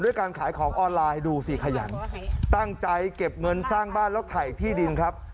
การขายของออนไลน์ดูสิขยันตั้งใจเก็บเงินสร้างบ้านแล้วถ่ายที่ดินครับ